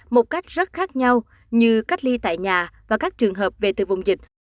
một cách rất khác nhau như cách ly tại nhà và các trường hợp về từ vùng dịch